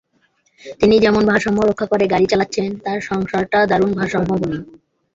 তিনি যেমন ভারসাম্য রক্ষা করে গাড়ি চালাচ্ছেন, তাঁর সংসারটাও দারুণ ভারসাম্যপূর্ণ।